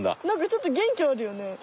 なんかちょっと元気あるよね。